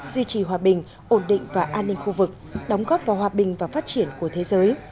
duy trì hòa bình ổn định và an ninh khu vực đóng góp vào hòa bình và phát triển của thế giới